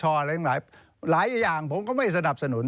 อะไรหลายอย่างผมก็ไม่สนับสนุน